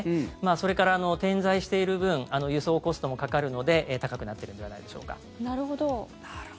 それから点在している分輸送コストもかかるので高くなっているんではないでしょうか。